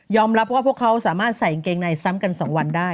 รับว่าพวกเขาสามารถใส่กางเกงในซ้ำกัน๒วันได้